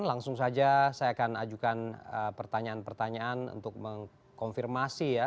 langsung saja saya akan ajukan pertanyaan pertanyaan untuk mengkonfirmasi ya